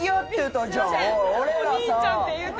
お兄ちゃんって言うて。